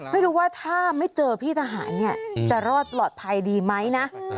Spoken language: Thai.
ไม่รู้ว่าถ้าไม่เจอพี่ทหารเนี่ยจะรอดปลอดภัยดีไหมนะ